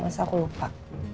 masa aku lupa